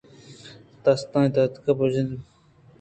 دستاں تُک بِہ جَن ءُ بِہ تچ